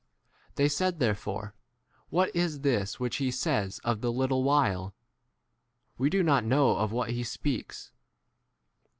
They said therefore, What is this which he says [of] the little [while] ? We do not 19 know [of] what he speaks.